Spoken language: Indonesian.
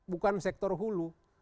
bukan sektor hulu